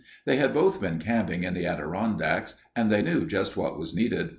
They had both been camping in the Adirondacks, and they knew just what was needed.